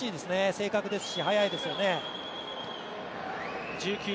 正確ですし、速いですよね。